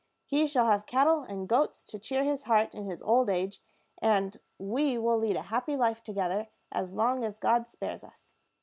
He shall have cattle and goats to cheer his heart in his old age, and we will lead a happy life together as long as God spares us."